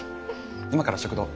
今から食堂。